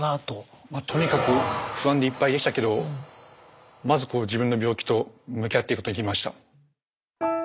まあとにかく不安でいっぱいでしたけどまず自分の病気と向き合っていくことに決めました。